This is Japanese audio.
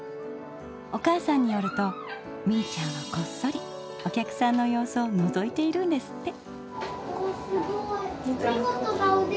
お母さんによるとみいちゃんはこっそりお客さんの様子をのぞいているんですって！